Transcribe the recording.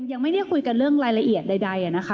ยังไม่ได้คุยกันเรื่องรายละเอียดใดนะคะ